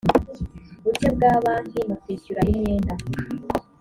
buke bwa banki mu kwishyura imyenda